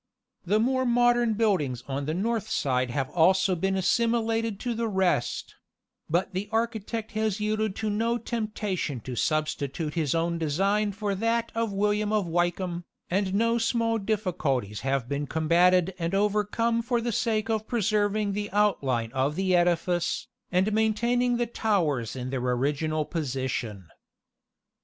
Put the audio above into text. The more modern buildings on the north side have also been assimilated to the rest; but the architect has yielded to no temptation to substitute his own design for that of William of Wykeham, and no small difficulties have been combated and overcome for the sake of preserving the outline of the edifice, and maintaining the towers in their original position."